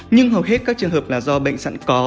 nhưng hầu hết các trường hợp là do bệnh sẵn có